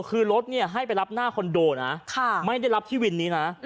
คือรถให้ไปรับหน้าคอนโดนะไม่ได้รับที่วินนี้นะ